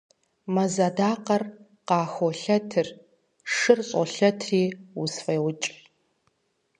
Мэз адакъэр къыхолъэтыр, шыр щӏолъэтри усфӏеукӏ.